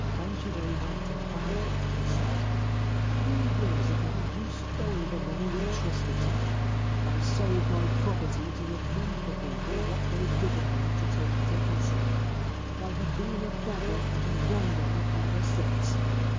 Kanshiro went and found him, and said : c Three years ago you stole the money entrusted to me. I sold my property to refund the people what they had given me to take to Ise. I have been a beggar and a wanderer ever since.